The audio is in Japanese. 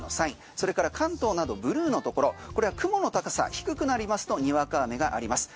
それから関東などのブルーのところこれは雲の高さが低くなりますとにわか雨があります。